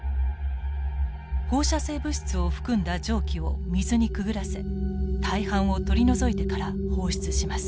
放射性物質を含んだ蒸気を水にくぐらせ大半を取り除いてから放出します。